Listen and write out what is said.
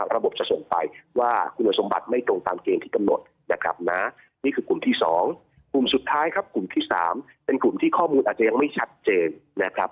ระบบจะส่งไปว่าคุณสมบัติจะไม่ตรงตามเกณฑ์ที่กำหนดนะครับ